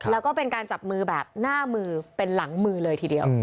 แล้วก็เป็นการจับมือแบบหน้ามือเป็นหลังมือเลยทีเดียว